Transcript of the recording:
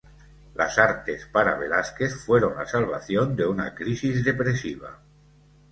Las artes para Velázquez fueron la salvación de una crisis depresiva.